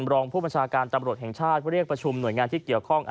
รองผู้บัญชาการตำรวจแห่งชาติเรียกประชุมหน่วยงานที่เกี่ยวข้อง